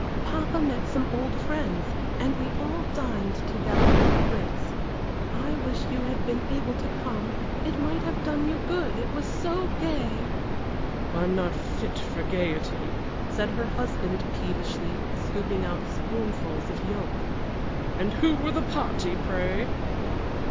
"Papa met some old friends, and we all dined together at the Ritz. I wish you had been able to come, it might have done you good, it was so gay!" "I am not fit for gayety," said her husband, peevishly, scooping out spoonfuls of yolk. "And who were the party, pray?"